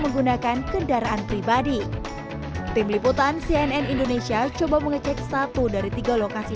menggunakan kendaraan pribadi tim liputan cnn indonesia coba mengecek satu dari tiga lokasi